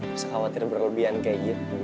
bisa khawatir berlebihan kayak gitu